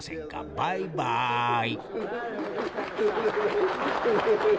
バイバイ！」。